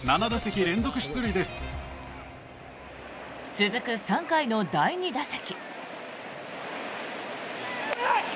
続く３回の第２打席。